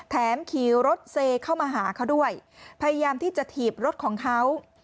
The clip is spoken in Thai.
ขี่รถเซเข้ามาหาเขาด้วยพยายามที่จะถีบรถของเขา